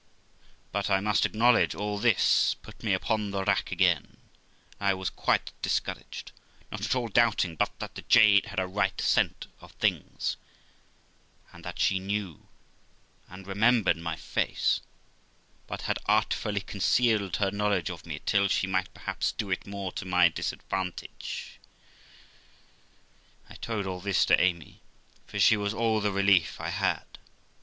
But, I must acknowledge, all this put me upon the rack again, and I was quite discouraged, not at all doubting but that the jade had a right scent of things, and that she knew and remembered my face, but had artfully concealed her knowledge of me till she might perhaps do it more to my disadvantage. I told all this to Amy, for she was all the relief I had.